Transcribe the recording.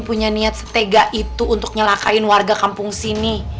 punya niat setega itu untuk nyelakain warga kampung sini